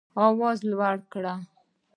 آواز لوړ کړئ